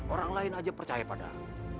orang lain aja percaya padamu